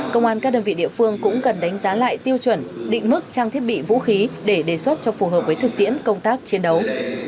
công an các đơn vị địa phương cũng cần đánh giá lại tiêu chuẩn định mức trang thiết bị vũ khí để đề xuất cho phù hợp với thực tiễn công tác chiến đấu